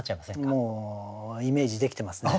もうイメージできてますね。